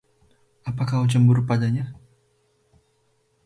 Apa kau cemburu padanya?